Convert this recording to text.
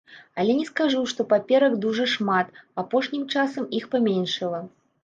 Але не скажу, што паперак дужа шмат, апошнім часам іх паменшала.